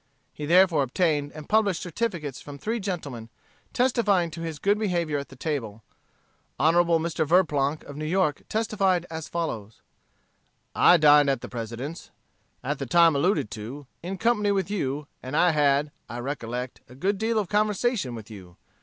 He therefore obtained and published certificates from three gentlemen, testifying to his good behavior at the table. Hon. Mr. Verplanck, of New York, testified as follows: "I dined at the President's, at the time alluded to, in company with you, and I had, I recollect, a good deal of conversation with you.